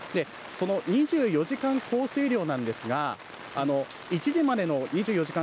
２４時間降水量なんですが、１時までの２４時間